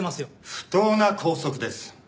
不当な拘束です。